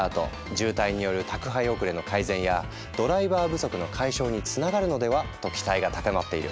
渋滞による宅配遅れの改善やドライバー不足の解消につながるのではと期待が高まっている。